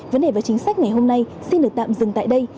vấn đề và chính sách ngày hôm nay xin được tạm dừng tại đây